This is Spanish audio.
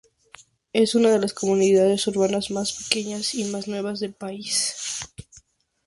Es una de las comunidades urbanas más pequeñas y más nuevas del país.